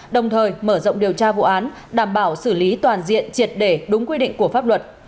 đồng thời mở rộng điều tra vụ án đảm bảo xử lý toàn diện triệt để đúng quy định của pháp luật